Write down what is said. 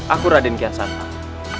aku raden kian santang